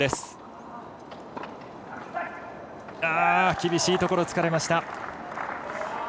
厳しいところ、つかれました。